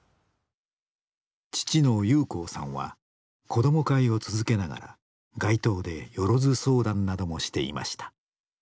父の裕光さんは子ども会を続けながら街頭でよろず相談などもしていました。